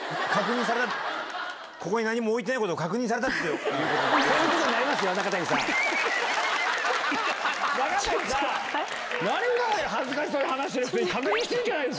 ここに何も置いてないことを確認されたっていうことで？